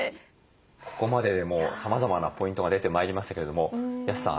ここまででもさまざまなポイントが出てまいりましたけれども安さん